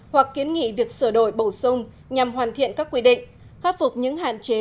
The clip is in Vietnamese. hoặc kiến nghị việc sửa đổi bổ sung nhằm hoàn thiện các quy định khắc phục những hạn chế